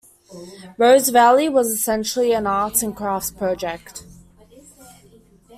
Rose Valley was essentially an arts and crafts project.